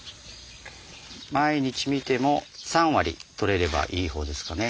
毎日見ても３割捕れればいい方ですかね。